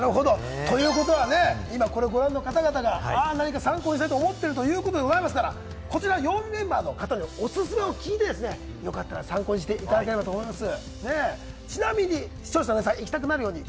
ということは、これをご覧の方々が参考にしたいと思っているということでございますから、こちら、曜日メンバーのオススメを聞いてよかったら参考にしていただければと思います。